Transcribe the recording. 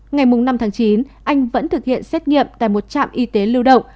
ngày năm tháng chín anh vẫn thực hiện xét nghiệm tại một trạm y tế lưu động